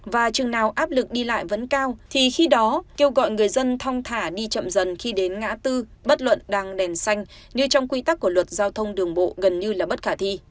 và chừng nào áp lực đi lại vẫn cao thì khi đó kêu gọi người dân thong thả đi chậm dần khi đến ngã tư bất luận đang đèn xanh như trong quy tắc của luật giao thông đường bộ gần như là bất khả thi